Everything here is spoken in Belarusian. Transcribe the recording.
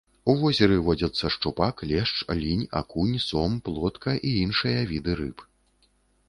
У возеры водзяцца шчупак, лешч, лінь, акунь, сом, плотка і іншыя віды рыб.